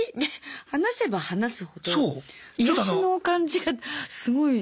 話せば話すほど癒やしの感じがすごい大幅に出てきて。